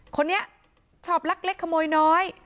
คนนี้ชอบลักเล็กขโมยน้อย